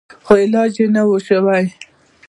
خو علاج يې نه و سوى.